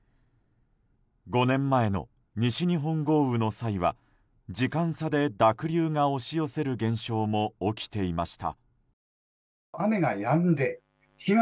５年前の西日本豪雨の際は時間差で濁流が押し寄せる現象も起きていました。